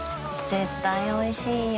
絶対おいしいよ。